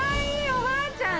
おばあちゃん。